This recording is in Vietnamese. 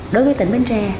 đối với tỉnh bến tre